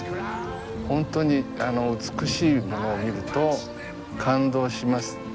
本当に美しいものを見ると感動します。